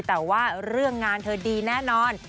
แต่ว่าเรื่องงานเธอดีแน่นอน